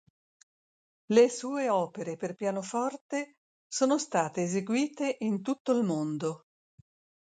Le sue opere per pianoforte sono state eseguite in tutto il mondo.